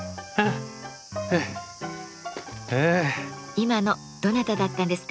今のどなただったんですか？